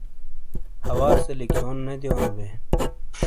حؤاسے لکھیون نے دیونو بے ۔